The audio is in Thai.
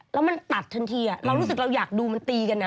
แล้วมันตัดทันทีเรารู้สึกเราอยากดูมันตีกันนะ